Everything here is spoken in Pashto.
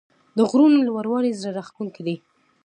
د غرونو لوړوالی زړه راښکونکی دی.